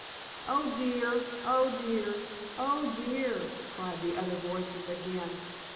"Oh, dear! Oh, dear! Oh, dear!" cried the other voices again.